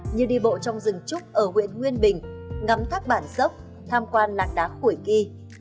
như đi bộ trong rừng trúc ở huyện nguyên bình ngắm thác bản dốc tham quan lạc đá khủy ky